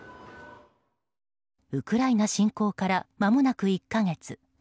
ウクライナ侵攻からまもなく１か月。